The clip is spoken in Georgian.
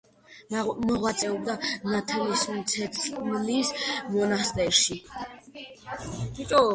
მოღვაწეობდა ნათლისმცემლის მონასტერში.